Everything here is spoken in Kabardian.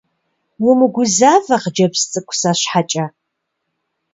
Умыгузавэ, хъыджэбз цӀыкӀу, сэ щхьэкӀэ.